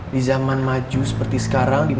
di zaman maju seperti sekarang